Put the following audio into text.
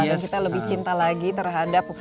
dan kita lebih cinta lagi terhadap